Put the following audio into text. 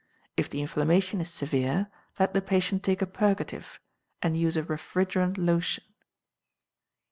If the inflammation is severe, let the patient take a purgative, and use a refrigerant lotion.